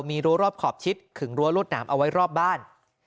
มีรั้วรอบขอบชิดขึงรั้วรวดหนามเอาไว้รอบบ้าน